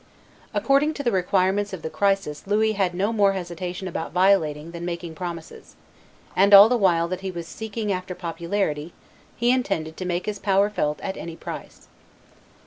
According to the requirements of the crisis Louis had no more hesitation about violating than about making promises; and, all the while that he was seeking after popularity, he intended to make his power felt at any price.